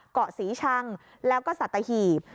เกาะศรีชังแล้วก็สัตหีบ